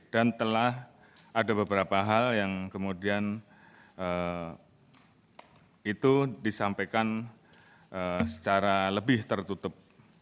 dan telah ada beberapa hal yang kemudian itu disampaikan secara lebih tertutup